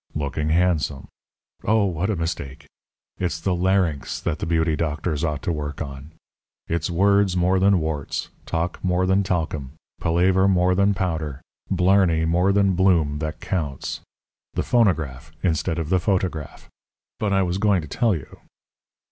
Looking handsome. Oh, what a mistake! It's the larynx that the beauty doctors ought to work on. It's words more than warts, talk more than talcum, palaver more than powder, blarney more than bloom that counts the phonograph instead of the photograph. But I was going to tell you.